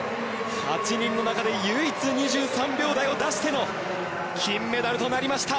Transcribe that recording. ８人の中で唯一、２３秒台を出しての金メダルとなりました。